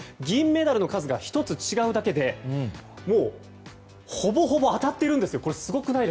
銀メダルの数が１つ違うだけでほぼほぼ当たっているんですよ。